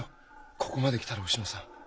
ここまできたらおしのさん